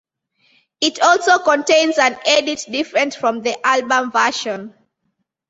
It also contains an edit different from the album version.